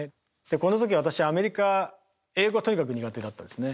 でこの時私アメリカ英語はとにかく苦手だったですね。